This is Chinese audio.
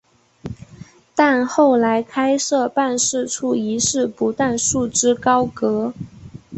但后来开设办事处一事不但束之高阁。